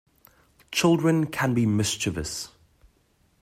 Children can be mischievous.